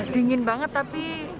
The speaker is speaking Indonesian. dingin banget tapi worth it lah